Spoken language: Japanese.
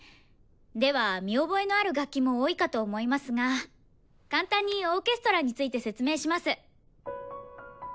では見覚えのある楽器も多いかと思いますが簡単にオーケストラについて説明します。